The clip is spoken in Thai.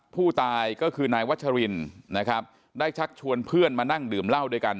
ผู้ตายก็คือนายวัชรินนะครับได้ชักชวนเพื่อนมานั่งดื่มเหล้าด้วยกัน